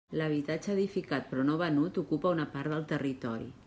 L'habitatge edificat però no venut ocupa una part del territori.